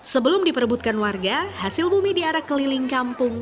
sebelum diperbutkan warga hasil bumi diarak keliling kampung